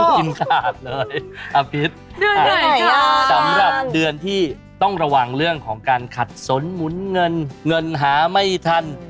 สำหรับเดือนที่ต้องระวังเรื่องของการขัดสนหมุนเงินเงินหาไม่ทัน